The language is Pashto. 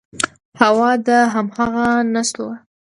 هو، دا همغه نستوه و…